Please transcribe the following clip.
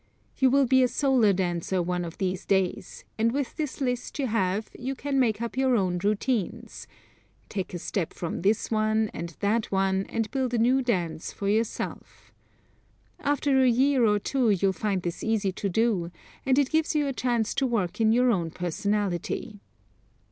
You will be a solo dancer one of these days and with this list you have you can make up your own routines, take a step from this one and that one and build a new dance for yourself. After a year or two you'll find this easy to do, and it gives you a chance to work in your own personality.